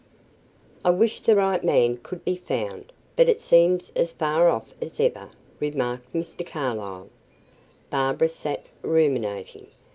"I wish the right man could be found; but it seems as far off as ever," remarked Mr. Carlyle. Barbara sat ruminating.